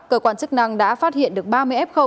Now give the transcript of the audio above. cơ quan chức năng đã phát hiện được ba mươi f khẩu